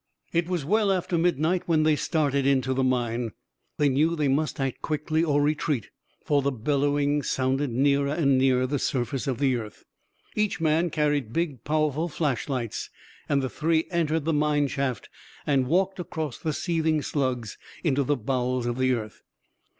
It was well after midnight when they started into the mine. They knew they must act quickly or retreat, for the bellowing sounded nearer and nearer the surface of the earth. Each man carried big, powerful flashlights, and the three entered the mine shaft and walked across the seething slugs into the bowels of the earth.